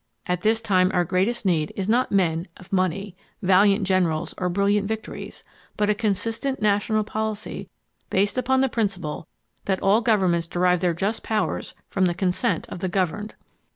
AT THIS TIME OUR GREATEST NEED IS NOT MEN O$ MONEY, VALIANT GENERALS OR BRILLIANT VICTORIES, BUT A CONSISTENT NATIONAL POLICY BASED UPON THE PRINCIPLE THAT ALL GOVERNMENTS DERIVE THEIR JUST POWERS FROM THE CONSENT OF THE GOVERNED.